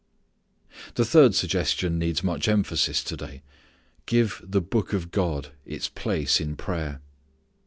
The third suggestion needs much emphasis to day: _give the Book of God its place in prayer.